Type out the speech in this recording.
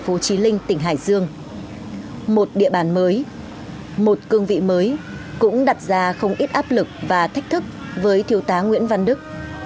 từ hồ chí linh tỉnh hải dương một địa bàn mới một cương vị mới cũng đặt ra không ít áp lực và thách thức với thứ tá nguyễn văn đức